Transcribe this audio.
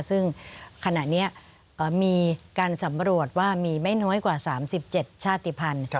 ซึ่งขณะนี้มีการสำรวจว่ามีไม่น้อยกว่า๓๗ชาติภัณฑ์